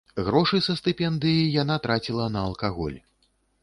Грошы са стыпендыі яна траціла на алкаголь.